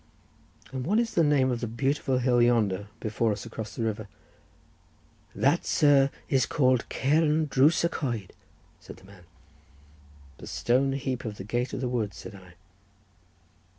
"And what is the name of the beautiful hill yonder, before us across the water?" "That, sir, is called Cairn Drws y Coed," said the man. "The stone heap of the gate of the wood," said I.